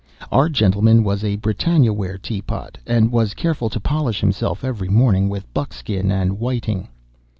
Our gentleman was a Britannia ware tea pot, and was careful to polish himself every morning with buckskin and whiting."